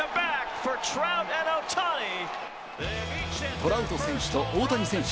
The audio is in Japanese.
トラウト選手と大谷選手